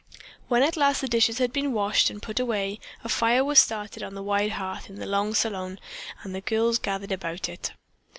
When at last the dishes had been washed and put away, a fire was started on the wide hearth in the long salon and the girls gathered about it.